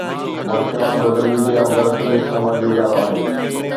مان چوان ٿو ته ميڊيا دراصل هڪ سماجي ادارو آهي.